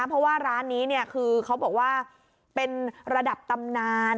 เพราะว่าร้านนี้เนี่ยคือเขาบอกว่าเป็นระดับตำนาน